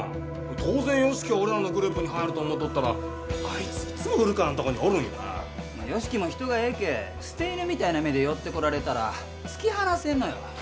当然由樹は俺らのグループに入ると思うとったらあいついつも古川んとこにおるんよな由樹も人がええけ捨て犬みたいな目で寄ってこられたら突き放せんのよ